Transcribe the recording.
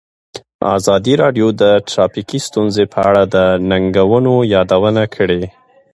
ازادي راډیو د ټرافیکي ستونزې په اړه د ننګونو یادونه کړې.